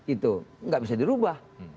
itu nggak bisa dirubah